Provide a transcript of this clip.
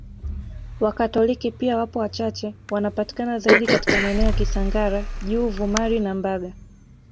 Wakatoliki pia wapo wachache wanapatikana zaidi katika maeneo ya Kisangara juu Vumari na Mbaga